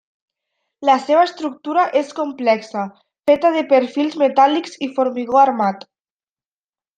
La seva estructura és complexa, feta de perfils metàl·lics i formigó armat.